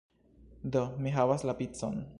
Do, mi havas la picon